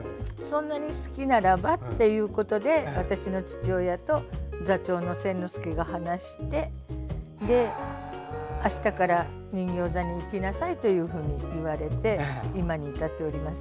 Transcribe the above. そんなに好きならばということで、私の父親と座長の扇之助が話してあしたから人形座に行きなさいと言われて今に至っております。